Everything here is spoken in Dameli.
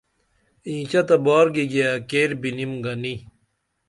انیچہ تہ بار گیگے کیر بِنیم گنی